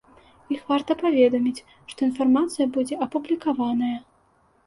Іх варта паведаміць, што інфармацыя будзе апублікаваная.